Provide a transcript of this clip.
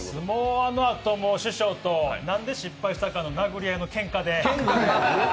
あのあと師匠となんで失敗したかの殴り合いのけんかで。